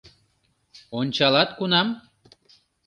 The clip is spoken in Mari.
Ончалат кунам?